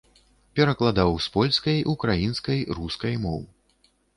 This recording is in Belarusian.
Перакладаў з польскай, украінскай, рускай моў.